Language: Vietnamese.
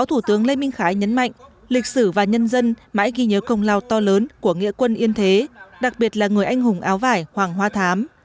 trừ sự khởi nghĩa yên thế lịch sử và nhân dân mãi ghi nhớ công lao to lớn của nghĩa quân yên thế đặc biệt là người anh hùng áo vải hoàng hoa thám